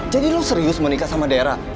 jadi lu serius mau nikah sama dera